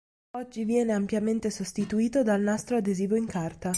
Oggi viene ampiamente sostituita dal nastro adesivo in carta.